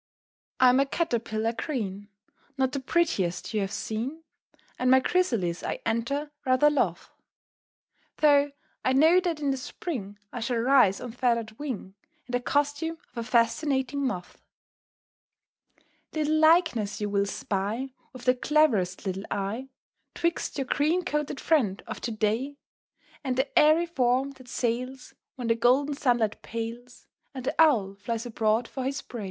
I'M a Caterpillar green, Not the prettiest you have seen, And my Chrysalis I enter rather loth; Though I know that in the spring I shall rise on feathered wing In the costume of a fascinating Moth. [Illustration: "I'm a Caterpillar green."] Little likeness you will spy, With the cleverest little eye, 'Twixt your green coated friend of to day And the airy form that sails When the golden sunlight pales, And the owl flies abroad for his prey.